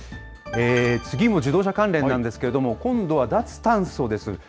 次も自動車関連なんですけれども、今度は脱炭素です。